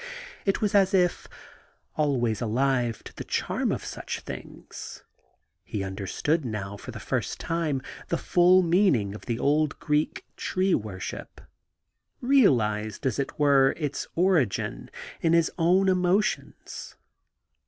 It was as if — always alive to the charm of such things — he understood now for the first time the full meaning of the old Greek * tree worship,* realised, as it were, its origin, in his own emotions.